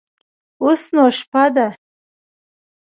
اوس نو شپه ده.